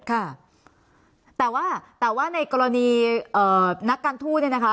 ค่ะแต่ว่าแต่ว่าในกรณีนักการทูตเนี่ยนะคะ